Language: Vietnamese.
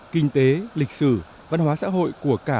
kinh tế lịch sử văn hóa xã hội của các nhà